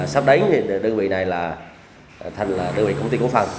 sắp đến đơn vị này là đơn vị công ty cổ phần